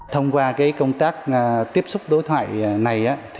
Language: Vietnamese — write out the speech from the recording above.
thông qua công tác tiếp xúc đối thoại này